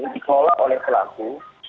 dikola oleh pelaku